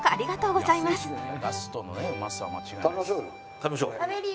食べましょうよ。